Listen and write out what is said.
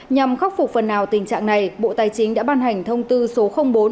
nhằm khắc phục phần nào tình trạng này bộ tài chính đã ban hành thông tư số bốn